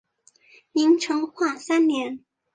明成化三年。